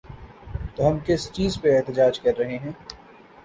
تو ہم کس چیز پہ احتجاج کر رہے ہیں؟